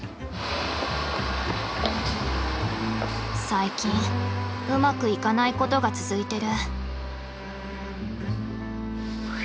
最近うまくいかないことが続いてる。